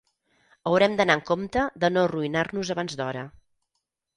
Haurem d'anar en compte de no arruïnar-nos abans d'hora.